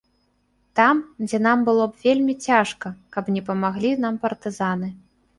Там, дзе нам было б вельмі цяжка, каб не памаглі нам партызаны.